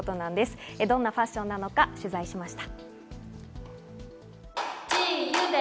どんなファッションなのか取材しました。